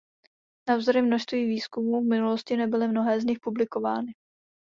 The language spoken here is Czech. Navzdory množství výzkumů v minulosti nebyly mnohé z nich publikovány.